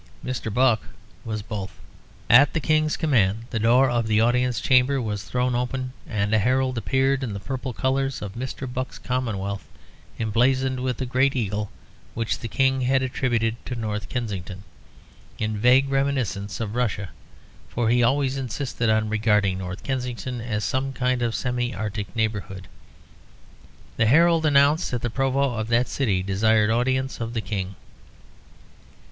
Mr. Buck was both. At the King's command the door of the audience chamber was thrown open and a herald appeared in the purple colours of Mr. Buck's commonwealth emblazoned with the Great Eagle which the King had attributed to North Kensington, in vague reminiscence of Russia, for he always insisted on regarding North Kensington as some kind of semi arctic neighbourhood. The herald announced that the Provost of that city desired audience of the King.